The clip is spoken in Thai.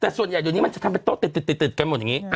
แต่ส่วนใหญ่อยู่นี้มันจะทำเป็นโต๊ะตึดแบบนี้